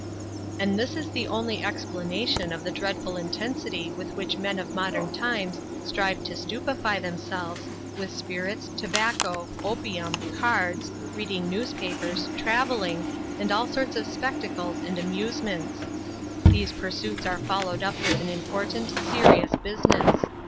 And this is the only explanation of the dreadful intensity with which men of modern times strive to stupefy themselves, with spirits, tobacco, opium, cards, reading newspapers, traveling, and all kinds of spectacles and amusements. These pursuits are followed up as an important, serious business.